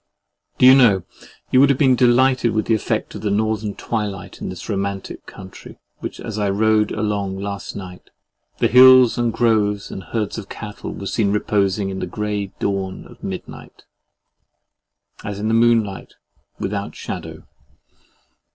Do you know, you would have been delighted with the effect of the Northern twilight on this romantic country as I rode along last night? The hills and groves and herds of cattle were seen reposing in the grey dawn of midnight, as in a moonlight without shadow.